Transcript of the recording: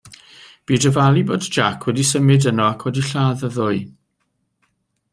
Bu dyfalu bod Jack wedi symud yno ac wedi lladd y ddwy.